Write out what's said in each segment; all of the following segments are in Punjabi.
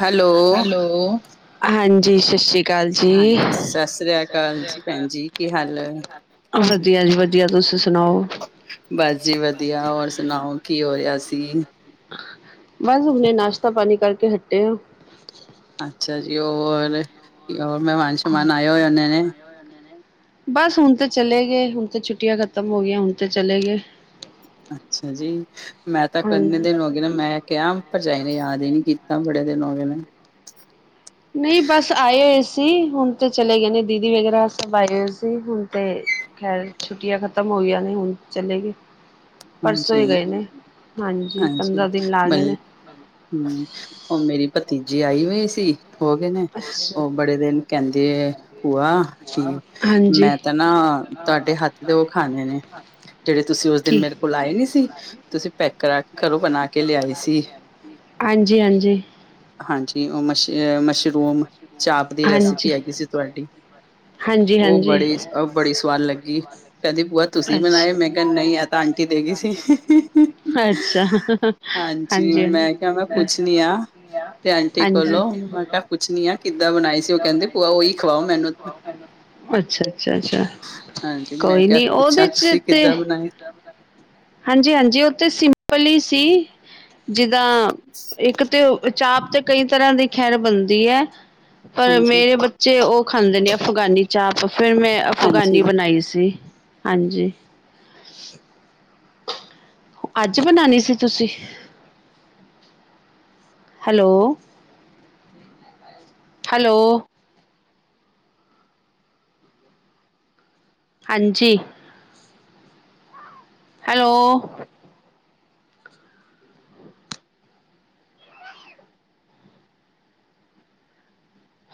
ਹੈਲੋ ਹੈਲੋ, ਹਾਂਜੀ ਸਤਿ ਸ਼੍ਰੀ ਅਕਾਲ ਹਾਂਜੀ, ਜੀ। ਸਤਿ ਸ੍ਰੀ ਅਕਾਲ ਜੀ ਭੈਣ ਜੀ, ਕੀ ਹਾਲ? ਵਧੀਆ ਜੀ ਵਧੀਆ, ਤੁਸੀ ਸੁਣਾਓ? ਬਸ ਜੀ ਵਧੀਆ, ਔਰ ਸੁਣਾਓ ਕੀ ਹੋ ਰਿਹਾ ਸੀ? ਬਸ ਹੁਨੇ ਨਾਸ਼ਤਾ ਪਾਣੀ ਕਰਕੇ ਹੱਟੇ ਆ। ਅੱਛਾ ਜੀ, ਹੋਰ, ਹੋਰ ਮਹਿਮਾਨ ਸ਼ਹਿਮਾਨ ਆਏ ਹੋਏ ਹੋਨੇ ਨੇ। ਬਸ ਹੁਣ ਤੇ ਚਲੇ ਗਏ, ਹੁਣ ਤੇ ਛੁੱਟੀਆਂ ਖ਼ਤਮ ਹੋ ਗਈਆਂ ਹੁਣ ਤੇ ਚਲੇਗੇ। ਅੱਛਾ ਜੀ, ਮੈਂ ਤਾਂ ਕੰਨੇ ਹਾਂਜੀ। ਦਿਨ ਹੋ ਗਏ ਨੇ, ਮੈਂ ਕਿਹਾ, ਭਰਜਾਈ ਨੇ ਯਾਦ ਹੀ ਨੀ ਕੀਤਾ, ਬੜੇ ਦਿਨ ਹੋ ਗਏ ਨੇ। ਨਹੀਂ ਬਸ ਆਏ ਹੋਏ ਸੀ, ਹੁਣ ਤੇ ਚਲੇ ਗਏ ਨੇ, ਦੀਦੀ ਵਗੈਰਾ ਸਭ ਆਏ ਹੋਏ ਸੀ ਹੁਣ ਤੇ ਖੈਰ ਛੁੱਟੀਆਂ ਖਤਮ ਹੋਈਆਂ ਨੇ, ਹੁਣ ਚਲੇਗੇ। ਪਰਸੋਂ ਈ ਹਾਂਜੀ ਗਏ ਨੇ, ਹਾਂਜੀ, ਪੰਦਰਾਂ ਦਿਨ ਲਾ ਗਏ ਨੇ। ਹੂੰ, ਉਹ ਮੇਰੀ ਭਤੀਜੀ ਆਈ ਹੋਈ ਸੀ। ਹੋ ਗਏ ਨੇ, ਅੱਛਾ, ਉਹ ਬੜੇ ਦਿਨ ਕਹਿੰਦੇ ਭੂਆ ਕਿ ਹਾਂਜੀ। ਮੈਂ ਤਾਂ ਨਾ ਤੁਹਾਡੇ ਹੱਥ ਦੇ ਉਹ ਖਾਣੇ ਨੇ, ਜਿਹੜੇ ਤੁਸੀਂ ਉਸ ਦਿਨ ਕੀ ਮੇਰੇ ਕੋਲ ਆਏ ਨੀ ਸੀ, ਤੁਸੀਂ ਪੈਕ ਕਰਾਕੇ ਘਰੋ ਬਣਾਕੇ ਲਿਆਏ ਸੀ। ਹਾਂਜੀ ਹਾਂਜੀ ਹਾਂਜੀ, ਉਹ ਮਸ਼, ਮਸ਼ਰੂਮ ਚਾਪ ਦੀ ਹਾਂਜੀ ਰੈਸਿਪੀ ਹੈਗੀ ਸੀ ਤੁਹਾਡੀ। ਹਾਂਜੀ ਉਹ ਹਾਂਜੀ ਬੜੀ, ਬੜੀ ਸਵਾਦ ਲੱਗੀ, ਕਹਿੰਦੀ ਭੂਆ ਤੁਸੀਂ ਬਣਾਏ, ਅੱਛਾ ਮੈਂ ਕਿਹਾ ਨਹੀਂ, ਐ ਤਾ‌ ਆੰ ਟੀ ਦੇ ਗਈ ਸੀ, ਅੱਛਾ ਹਾਂਜੀ, ਮੈਂ ਕਿਹਾ ਮੈਂ ਪੁੱਛਨੀ ਆ। ਤੇ ਆਂਟੀ ਹਾਂਜੀ ਕੋਲੋ, ਮੈਂ ਕਿਆ ਪੁਛਨੀ ਆ ਕਿੱਦਾਂ ਬਣਾਈ ਸੀ? ਉਹ ਕਹਿੰਦੀ ਭੂਆ ਉਹੀ ਖਵਾਓ ਮੈਨੂੰ ਅੱਛਾ-ਅੱਛਾ-ਅੱਛਾ, ਹਾਂਜੀ ਮੈਂ ਕੋਈ ਕਿਹਾ ਨੀ ਪੁੱਛਾਂ ਉਹਦੇ'ਚ ਤੁਸੀਂ ਤੇ ਕਿੱਦਾਂ ਬਣਾਏ ਹਾਂਜੀ-ਹਾਂਜੀ, ਓ ਤੇ ਸਿੰਪਲ ਈ ਸੀ। ਜਿੱਦਾਂ, ਇੱਕ ਤੇ ਚਾਪ ਤੇ ਕਈ ਤਰ੍ਹਾਂ ਦੀ ਖੈਰ ਬਣਦੀ ਐ। ਪਰ ਹਾਂਜੀ ਮੇਰੇ ਬੱਚੇ ਉਹ ਖਾਂਦੇ ਨੇ, ਅਫਗਾਨੀ ਚਾਪ। ਫਿਰ ਮੈਂ ਹਾਂਜੀ ਅਫਗਾਨੀ ਬਨਾਈ ਸੀ। ਹਾਂਜੀ, ਅੱਜ ਬਨਾਨੀ ਸੀ, ਤੁਸੀ। ਹੈਲੋ ਹੈਲੋ ਹਾਂਜੀ। ਹੈਲੋ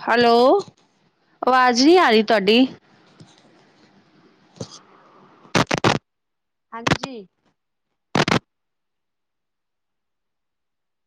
ਹੈਲੋ, ਅਵਾਜ਼ ਨਹੀਂ‌ ਆ ਰਹੀ ਤੁਹਾਡੀ। [inaudible] ਹਾਂਜੀ